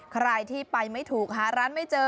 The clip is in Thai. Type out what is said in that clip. ใครที่ไปไม่ถูกหาร้านไม่เจอ